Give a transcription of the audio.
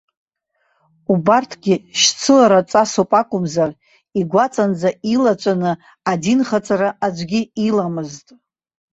Убарҭгьы шьцылара ҵасуп акәымзар, игәаҵанӡа илаҵәаны адинхаҵара аӡәгьы иламызт.